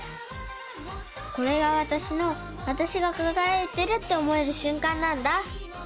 これがわたしのわたしがかがやいてるって思えるしゅんかんなんだ！